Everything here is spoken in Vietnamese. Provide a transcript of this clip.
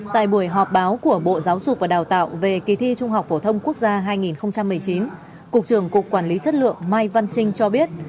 tại buổi họp báo của bộ giáo dục và đào tạo về kỳ thi trung học phổ thông quốc gia hai nghìn một mươi chín cục trưởng cục quản lý chất lượng mai văn trinh cho biết